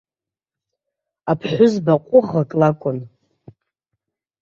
Аԥҳәызба ҟәыӷак лакәын.